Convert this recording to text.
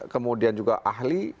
kemudian juga ahli